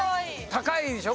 高いでしょ？